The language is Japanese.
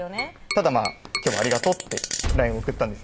ただ「今日はありがとう」ってＬＩＮＥを送ったんですよ